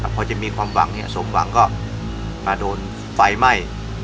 พอจะมีความหวังสมหวังก็มาโดนไฟไหม้